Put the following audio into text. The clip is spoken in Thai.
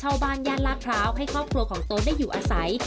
บ้านย่านลาดพร้าวให้ครอบครัวของโต๊ได้อยู่อาศัย